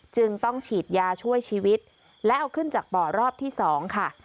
จึงต้องฉีดยาช่วยชีวิตและเอาขึ้นจากบ่อรอบที่๒ค่ะ